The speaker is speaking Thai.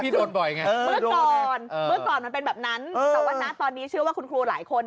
พี่โดนบ่อยไงเมื่อก่อนมันเป็นแบบนั้นแต่ว่าตอนนี้เชื่อว่าคุณครูหลายคน